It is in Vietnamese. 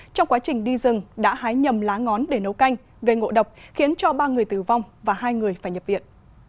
trong quá trình đi rừng đã hái nhầm lá ngón để nấu canh gây ngộ độc khiến cho ba người tử vong và hai người phải nhập viện